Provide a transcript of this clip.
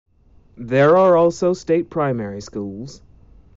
There are also state primary schools.